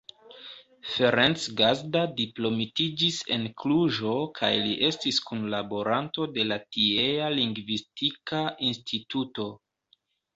Ferenc Gazda diplomitiĝis en Kluĵo kaj li estis kunlaboranto de la tiea Lingvistika Instituto.